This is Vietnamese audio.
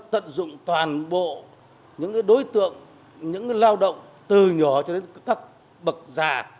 tận dụng toàn bộ những đối tượng những lao động từ nhỏ cho đến các bậc già